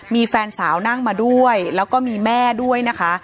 มีแฟนสาวนั่งมาด้วยแล้วก็มีแม่ด้วยนะคะ